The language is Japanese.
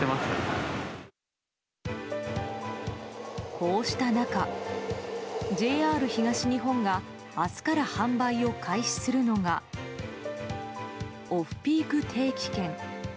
こうした中、ＪＲ東日本が明日から販売を開始するのがオフピーク定期券。